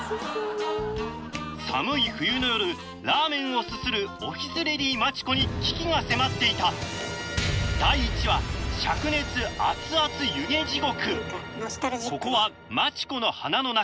寒い冬の夜ラーメンをすするオフィスレディーマチコに危機が迫っていたここはマチコの鼻の中。